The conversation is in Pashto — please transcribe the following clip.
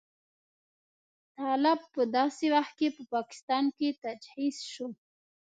طالب په داسې وخت کې په پاکستان کې تجهیز شو.